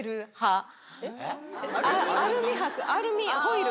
アルミ箔アルミホイル。